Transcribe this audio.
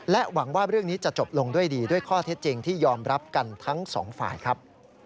หวังว่าเรื่องนี้จะจบลงด้วยดีด้วยข้อเท็จจริงที่ยอมรับกันทั้งสองฝ่ายครับ